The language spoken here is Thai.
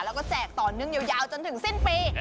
แล้วก็แจกต่อเนื่องยาวจนถึงสิ้นปี